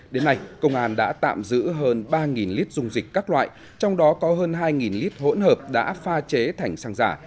đến nay công an đã tạm giữ hơn ba lít dung dịch các loại trong đó có hơn hai lít hỗn hợp đã pha chế thành xăng giả